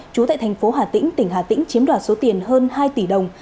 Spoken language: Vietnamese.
trú tại thành phố hà tĩnh tỉnh hà tĩnh chiếm đoạt số tiền hơn hai tỷ đồng